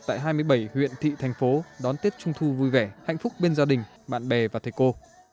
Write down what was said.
tại hai mươi bảy huyện thị thành phố đón tết trung thu vui vẻ hạnh phúc bên gia đình bạn bè và thầy cô